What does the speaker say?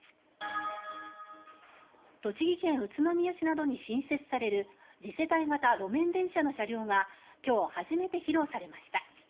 栃木県宇都宮市などに新設される次世代型路面電車の車両が今日初めて披露されました。